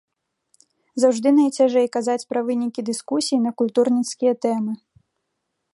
Заўжды найцяжэй казаць пра вынікі дыскусій на культурніцкія тэмы.